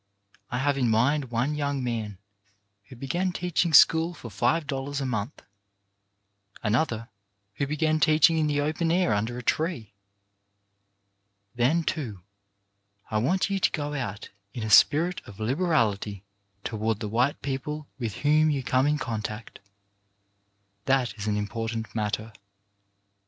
I have in mind one young man who began teaching school for five dollars a month ; another who began teaching in the open air under a tree. Then, too, I want you to go out in a spirit of liberality toward the white people with whom you come in contact. That is an important matter.